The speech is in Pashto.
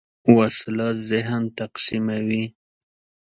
وسله ذهن تقسیموي